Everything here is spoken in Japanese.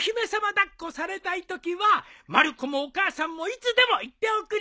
抱っこされたいときはまる子もお母さんもいつでも言っておくれ。